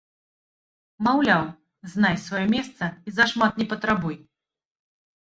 Маўляў, знай сваё месца і зашмат не патрабуй.